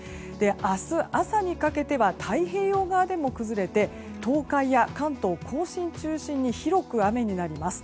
明日朝にかけては太平洋側でも崩れて東海や関東・甲信中心に広く雨になります。